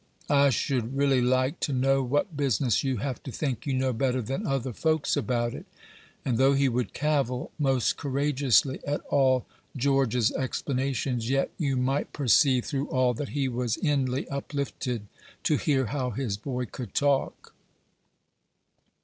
I should re'ly like to know what business you have to think you know better than other folks about it;" and, though he would cavil most courageously at all George's explanations, yet you might perceive, through all, that he was inly uplifted to hear how his boy could talk.